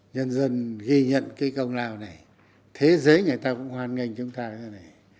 nhân dân ghi nhận cái công lao này thế giới người ta cũng hoan nghênh chúng ta thế này